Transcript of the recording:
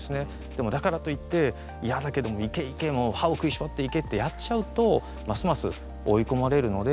でも、だからといって嫌だけど歯を食いしばって行けってやっちゃうとますます追い込まれるので。